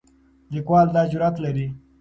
لیکوال دا جرئت لري.